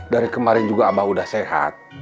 dari kemarin juga abah sudah sehat